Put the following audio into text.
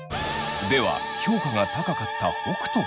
では評価が高かった北斗。